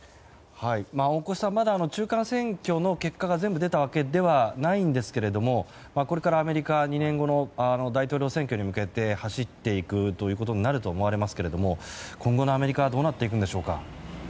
大越さん、まだ中間選挙の結果が全部出たわけではないんですがこれから、アメリカは２年後の大統領選挙に向けて走っていくということになると思われますけど今後のアメリカはどうなっていくんでしょうか？